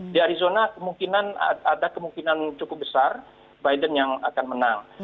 di arizona ada kemungkinan cukup besar biden yang akan menang